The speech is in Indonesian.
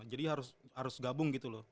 harus gabung gitu loh